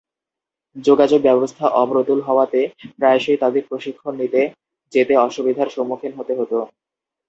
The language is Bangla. যোগাযোগ ব্যবস্থা অপ্রতুল হওয়াতে, প্রায়শই তাঁদের প্রশিক্ষন নিতে যেতে অসুবিধার সম্মুখীন হতে হত।